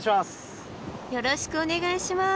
よろしくお願いします。